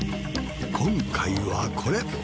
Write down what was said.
今回はこれ。